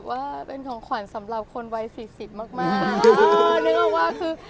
คือมันเป็นของขวัญสำหรับคนวัย๔๐มาก